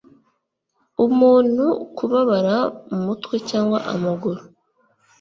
umuntu kubabara umutwe cyangwa amaguru